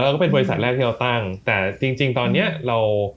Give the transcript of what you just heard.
ก็เป็นบริษัทแรกที่เราตั้งแต่จริงตอนนี้เรา